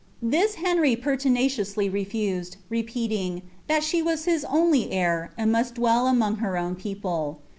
This Henry jjertinairiousty rvAtMil, tcpeating, " that she wbb his only heir, and must dwell amoog her own people."